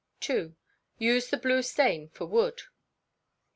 ii. Use the blue stain for wood.